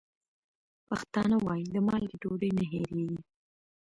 پښتانه وايي: د مالګې ډوډۍ نه هېرېږي.